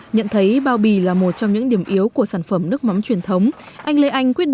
nhận thấy bao bì là một trong những điểm yếu của sản phẩm nước mắm truyền thống